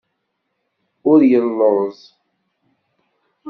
Ur yelluẓ.